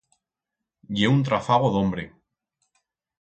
Ye un trafago d'hombre.